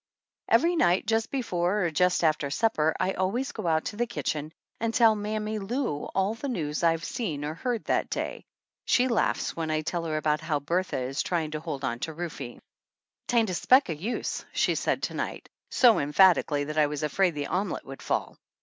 Every night just before or just after supper I always go out to the kitchen and tell Mammy Lou all the news I've seen or heard that day. She laughs when I tell her about how Bertha is try ing to hold on to Rufe. " 'Tain't a speck o' use," she said to night so emphatically that I was afraid the omelette would fall.